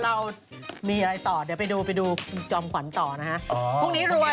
เราจะเดี๋ยวไปดูจอมขวัญต่อนะคะ